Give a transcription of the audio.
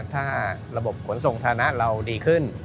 ถ้าระบบขนส่งฐานะเราดีขึ้น